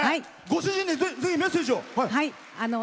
ご主人にメッセージを。